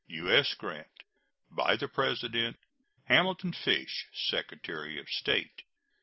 U.S. GRANT. By the President: HAMILTON FISH, Secretary of State.